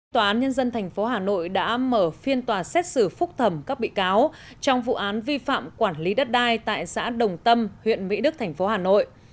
tòa án nhân dân tp hà nội đã mở phiên tòa xét xử phúc thẩm các bị cáo trong vụ án vi phạm quản lý đất đai tại xã đồng tâm huyện mỹ đức thành phố hà nội